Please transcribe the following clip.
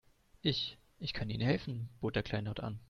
Ich, ich kann Ihnen helfen, bot er kleinlaut an.